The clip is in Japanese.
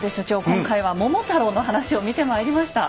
今回は「桃太郎」の話を見てまいりました。